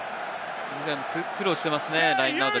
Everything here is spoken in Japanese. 苦労していますね、ラインアウト。